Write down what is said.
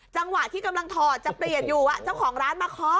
จังหวะที่กำลังถอดจะเปลี่ยนอยู่เจ้าของร้านมาเคาะ